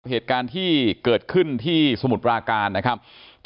เหตุการณ์ที่เกิดขึ้นที่สมุทรปราการนะครับ